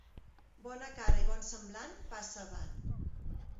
Bona cara i bon semblant, passa avant.